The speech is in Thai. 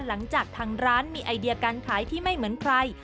หลังจากทางร้านมีไอเดียการขายที่ไม่เหมือนใคร